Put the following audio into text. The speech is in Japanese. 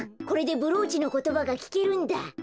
これでブローチのことばがきけるんだ。